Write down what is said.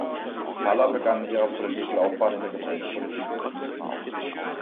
Haller begann ihre politische Laufbahn in der Gemeindepolitik.